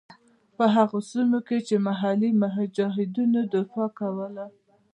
په هغو سیمو کې چې محلي مجاهدینو دفاع کوله.